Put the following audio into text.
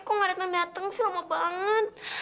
kok gak dateng dateng sih lama banget